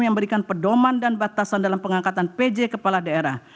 yang memberikan pedoman dan batasan dalam pengangkatan pj kepala daerah